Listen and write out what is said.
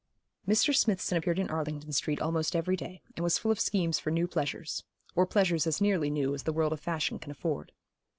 Mr. Smithson appeared in Arlington Street almost every day, and was full of schemes for new pleasures or pleasures as nearly new as the world of fashion can afford.